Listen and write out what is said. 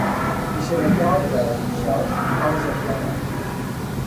Hy sil wol troud wêze fansels en hawwe se ek bern?